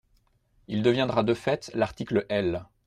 Il deviendra de fait l’article L.